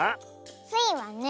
スイはね